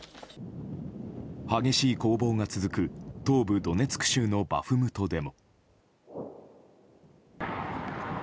激しい攻防が続く東部ドネツク州のバフムトでも。